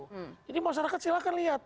jadi masyarakat silahkan lihat